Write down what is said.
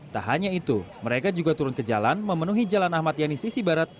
tak hanya itu mereka juga turun ke jalan memenuhi jalan ahmad yani sisi barat